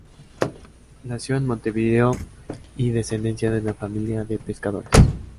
Nació en Montevideo y descendía de una familia de pescadores.